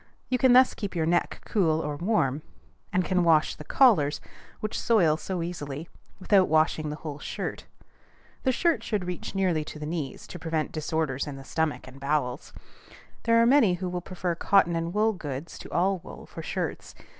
You can thus keep your neck cool or warm, and can wash the collars, which soil so easily, without washing the whole shirt. The shirt should reach nearly to the knees, to prevent disorders in the stomach and bowels. There are many who will prefer cotton and wool goods to all wool for shirts.